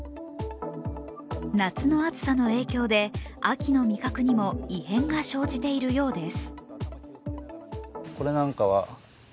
夏の暑さの影響で、秋の味覚にも異変が生じているようです。